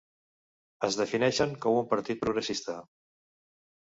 Es defineixen com un partit progressista.